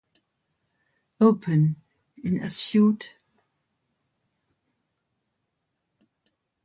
Open" in Asyut.